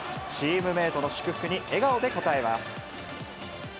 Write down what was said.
チームメートの祝福に、笑顔で応えます。